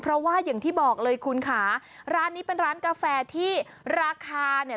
เพราะว่าอย่างที่บอกเลยคุณค่ะร้านนี้เป็นร้านกาแฟที่ราคาเนี่ย